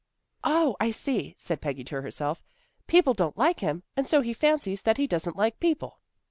"Oh, I see," said Peggy to herself. "People don't like him, and so he fancies that he doesn't like people."